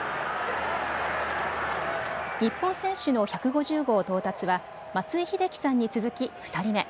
日本選手の１５０号到達は松井秀喜さんに続き２人目。